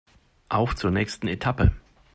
Auf zur nächsten Etappe!